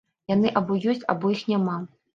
Яны або ёсць, або іх няма.